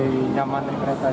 jadi nyaman dari kereta juga